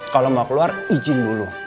kalau mau keluar izin dulu